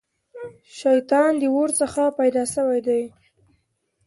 شيطان د اور څخه پيدا سوی دی